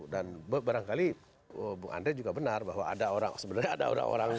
dan barangkali bu andre juga benar bahwa ada orang sebenarnya ada orang orang